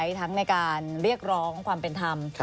ที่คุณพ่อใช้ทั้งในการเรียกร้องความเป็นธรรม